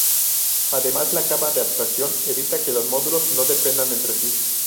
Además, la capa de abstracción evita a que los módulos no dependan entre sí.